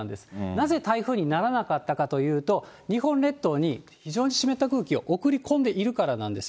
なぜ台風にならなかったかというと、日本列島に非常に湿った空気を送り込んでいるからなんです。